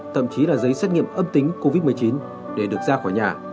thậm chí là giấy xét nghiệm âm tính covid một mươi chín để được ra khỏi nhà